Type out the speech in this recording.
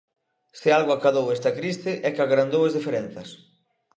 Se algo acadou esta crise é que agrandou as diferenzas.